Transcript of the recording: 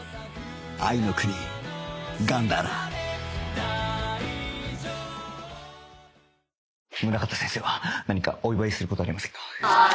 愛の国ガンダーラ宗方先生は何かお祝いする事はありませんか？